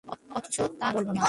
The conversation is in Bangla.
অথচ তা ছাড়া বলব কী?